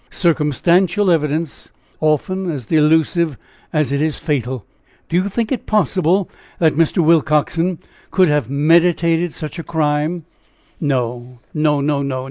"Circumstantial evidence, often as delusive as it is fatal! Do you think it possible that Mr. Willcoxen could have meditated such a crime?" "No, no, no, no!